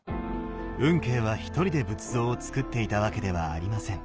運慶は１人で仏像をつくっていたわけではありません。